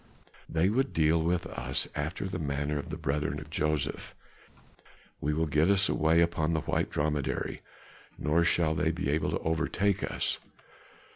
"They would deal with us after the manner of the brethren of Joseph. We will get us away upon the white dromedary, nor shall they be able to overtake us."